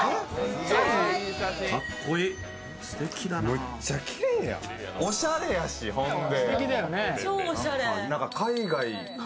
むっちゃきれいやん、おしゃれやし、ほんで。